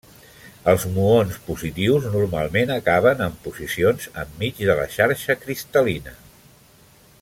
Els muons positius normalment acaben en posicions enmig de la xarxa cristal·lina.